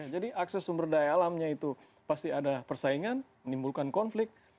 jadi akses sumber daya alamnya itu pasti ada persaingan menimbulkan konflik